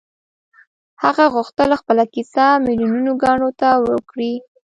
هغه غوښتل خپله کيسه ميليونو کڼو ته وکړي.